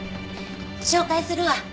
紹介するわ。